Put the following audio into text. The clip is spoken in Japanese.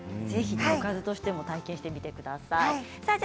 おかずとしても体験してみてください。